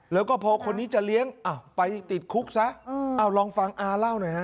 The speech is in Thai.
แล้วก็พอคนนี้จะเลี้ยงไปติดคุกซะลองฟังอาเล่าหน่อยฮะ